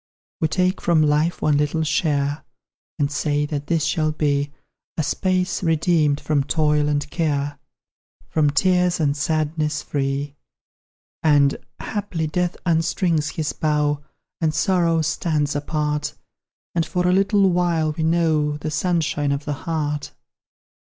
We take from life one little share, And say that this shall be A space, redeemed from toil and care, From tears and sadness free. And, haply, Death unstrings his bow, And Sorrow stands apart, And, for a little while, we know The sunshine of the heart.